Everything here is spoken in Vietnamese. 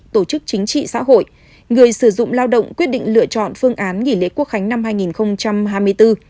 tổ chức chính trị xã hội người sử dụng lao động quyết định lựa chọn phương án nghỉ lễ quốc khánh năm hai nghìn hai mươi bốn